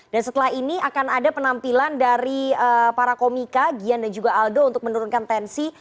dan setelah ini akan ada penampilan dari para komika gyan dan juga aldo untuk menurunkan tensi